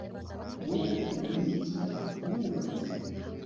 Wowe uri iki Urubatse